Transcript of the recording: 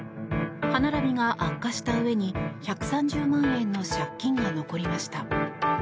歯並びが悪化したうえに１３０万円の借金が残りました。